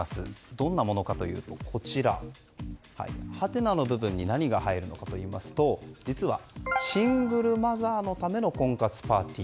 どんなものかというとはてなの部分に何が入るかというと実はシングルマザーのための婚活パーティー。